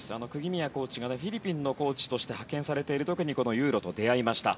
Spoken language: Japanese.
釘宮コーチがフィリピンのコーチとして派遣されている時にこのユーロと出会いました。